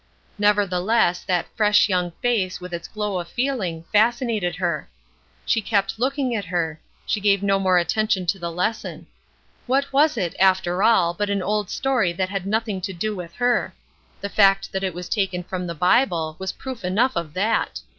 Nevertheless that fresh young face, with its glow of feeling, fascinated her. She kept looking at her; she gave no more attention to the lesson. What was it, after all, but an old story that had nothing to do with her; the fact that it was taken from the Bible was proof enough of that.